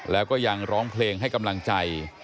แล้วก็ยังร้องเพลงให้กำลังใจ